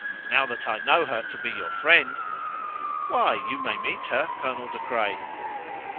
Now that I know her to be your friend ...!" "Why, you may meet her, Colonel De Craye."